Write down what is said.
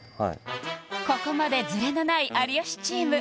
ここまでズレのない有吉チーム